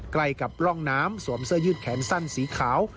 ใกล้กับร่องน้ำสวมเสื้อยืดแขนสั้นสีขาว